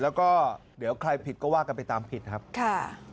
แล้วก็เดี๋ยวใครผิดก็ว่ากันไปตามผิดครับค่ะ